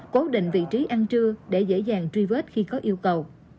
cố định vị trí ăn trưa để dễ dàng truy vết khi có yêu cầu